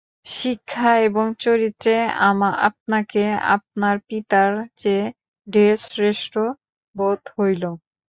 শিক্ষা এবং চরিত্রে আপনাকে আপনার পিতার চেয়ে ঢের শ্রেষ্ঠ বোধ হইল।